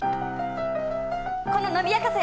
この伸びやかさよ。